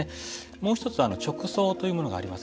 もう一つは直葬というものがあります。